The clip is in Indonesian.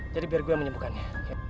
jadi biar gue yang menyembuhkannya